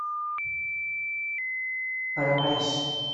Però res.